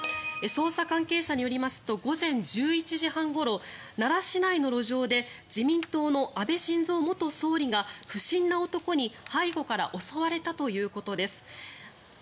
「捜査関係者によりますと午前１１時半ごろ奈良市内の路上で自民党の安倍晋三元総理が不審な男に背後から襲われたということです」